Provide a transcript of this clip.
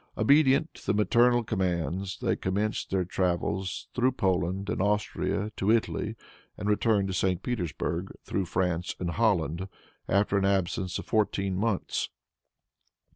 Obedient to the maternal commands, they commenced their travels through Poland and Austria to Italy, and returned to St. Petersburg, through France and Holland, after an absence of fourteen months.